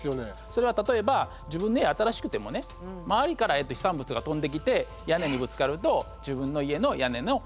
それは例えば自分の家新しくてもね周りから飛散物が飛んできて屋根にぶつかると自分の家の屋根の被害が出るということもあります。